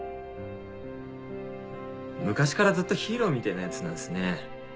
昔からずっとヒーローみてぇなヤツなんすね。